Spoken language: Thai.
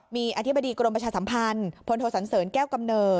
มีอธิบดีกรมประชาสัมพันธ์พลโทสันเสริญแก้วกำเนิด